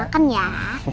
jangan dimakan ya